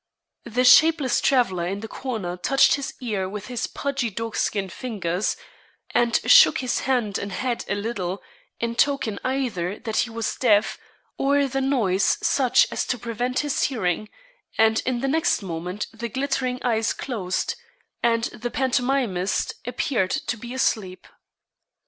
The shapeless traveller in the corner touched his ear with his pudgy dogskin fingers, and shook his hand and head a little, in token either that he was deaf, or the noise such as to prevent his hearing, and in the next moment the glittering eyes closed, and the pantomimist appeared to be asleep.